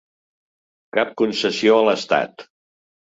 Cap concessió a l’estat.